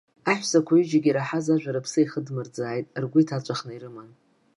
Аҳәсақәа аҩыџьагьы ираҳаз ажәа рыԥсы иахыдмырӡааит, ргәы иҭаҵәахны ирыман.